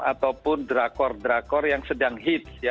ataupun drakor drakor yang sedang hits ya